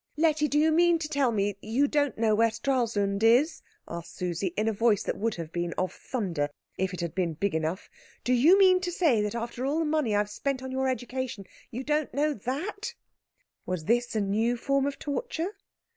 "Letty, do you mean to tell me that you don't know where Stralsund is?" asked Susie, in a voice that would have been of thunder if it had been big enough. "Do you mean to say that after all the money I have spent on your education you don't know that?" Was this a new form of torture?